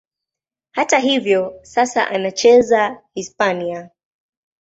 Hata hivyo, sasa anacheza Hispania.